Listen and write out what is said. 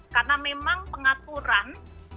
karena memang pengaturan